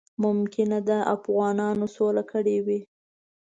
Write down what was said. ممکنه ده اوغانیانو سوله کړې وي.